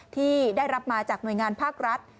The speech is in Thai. ที่ได้รับมาจากหน่วยงานภาครัฐ